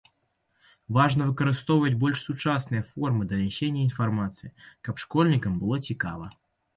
Важна выкарыстоўваць больш сучасныя формы данясення інфармацыі, каб школьнікам было цікава.